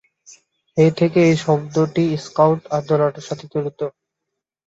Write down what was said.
সেই থেকে এই শব্দটি স্কাউট আন্দোলনের সাথে জড়িত।